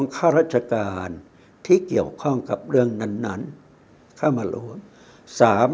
ข้าราชการที่เกี่ยวข้องกับเรื่องนั้นเข้ามารวม